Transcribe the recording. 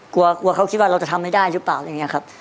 กลัวเขาคิดว่าเราจะทำไม่ได้หรือเปล่าอะไรอย่างนี้ครับ